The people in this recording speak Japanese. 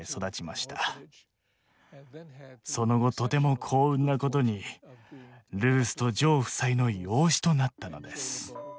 その後とても幸運なことにルースとジョー夫妻の養子となったのです。